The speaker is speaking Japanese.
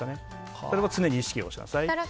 それを常に意識しなさいと。